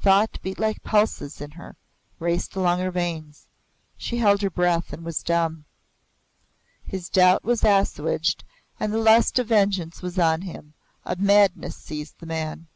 Thought beat like pulses in her raced along her veins. She held her breath and was dumb. His doubt was assuaged and the lust of vengeance was on him a madness seized the man.